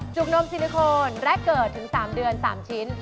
บนมซิลิโคนแรกเกิดถึง๓เดือน๓ชิ้น